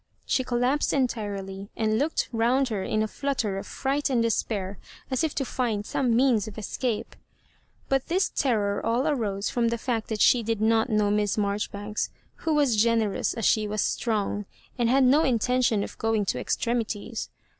She collapsed entirely, and looked round her in a flutter of fright and despair, as if to find some means of escape. But this terror all arose from the fact that she did not know Miss Marjoribanks, who was gene rous as she was strong, and had no intention of going to extremities.